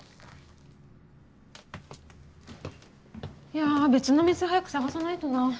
いや別の店早く探さないとなあ。